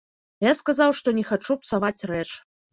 Я сказаў, што не хачу псаваць рэч.